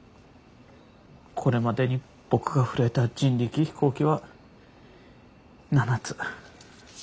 これまでに僕が触れた人力飛行機は７つ。